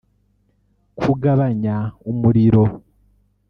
Kugabanya umuriro